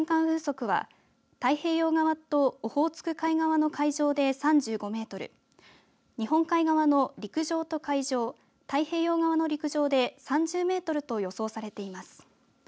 風速は太平洋側とオホーツク海側の海上で３５メートル日本海側の陸上と海上太平洋側の陸上で３０メートルと予想されています。